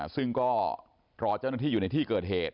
ซึ่งก็รอเจ้าหน้าที่อยู่ในที่เกิดเหตุ